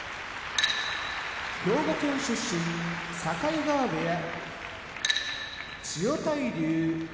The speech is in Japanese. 兵庫県出身境川部屋千代大龍東京都出身